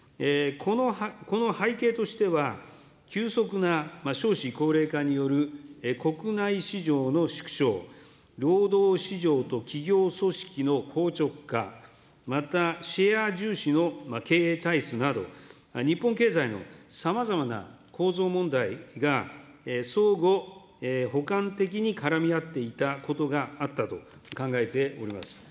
この背景としては、急速な少子高齢化による国内市場の縮小、労働市場と企業組織の硬直化、また、シェア重視の経営体質など、日本経済のさまざまな構造問題が相互補完的に絡み合っていたことがあったと考えております。